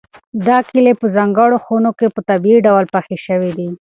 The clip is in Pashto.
دا کیلې په ځانګړو خونو کې په طبیعي ډول پخې شوي دي.